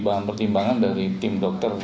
bahan pertimbangan dari tim dokter